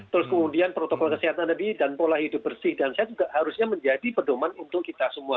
terus kemudian protokol kesehatan lebih dan pola hidup bersih dan sehat juga harusnya menjadi pedoman untuk kita semua